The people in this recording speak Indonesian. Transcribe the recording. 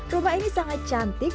rumah ini sangat cantik